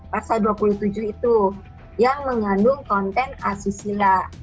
pasal dua puluh tujuh itu yang mengandung konten asusila